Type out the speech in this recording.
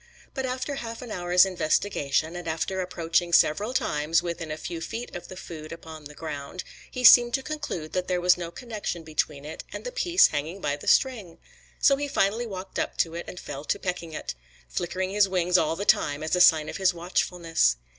But after half an hour's investigation, and after approaching several times within a few feet of the food upon the ground, he seemed to conclude there was no connection between it and the piece hanging by the string. So he finally walked up to it and fell to pecking it, flickering his wings all the time, as a sign of his watchfulness.